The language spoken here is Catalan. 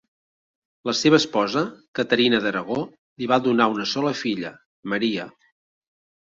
La seva esposa, Caterina d'Aragó, li va donar una sola filla, Maria.